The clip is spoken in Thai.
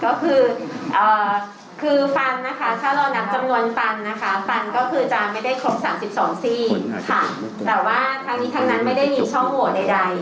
ก็คือคือฟันนะคะถ้าเรานับจำนวนฟันนะคะฟันก็คือจะไม่ได้ครบ๓๒ซี่ค่ะแต่ว่าทั้งนี้ทั้งนั้นไม่ได้มีช่องโหวตใด